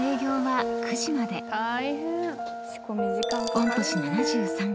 ［御年７３］